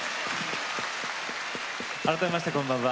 改めまして、こんばんは。